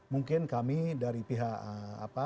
mungkin kami dari pihak apa